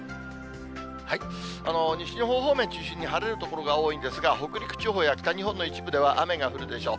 西日本方面中心に晴れる所が多いんですが、北陸地方や北日本の一部では雨が降るでしょう。